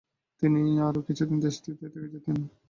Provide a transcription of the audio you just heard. তিনি আরও কিছুদিন দেশটিতে থেকে যান।